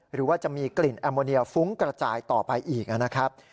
หรือว่าจะมีกลิ่นแอมโมเนียฟุ้งกระจายต่อไปอีกนะครับ